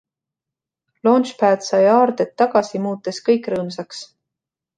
Launchpad sai aarded tagasi, muutes kõik rõõmsaks.